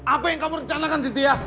apa yang kamu rencanakan sitia